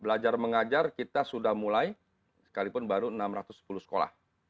belajar mengajar kita sudah mulai sekalipun baru enam ratus sepuluh sekolah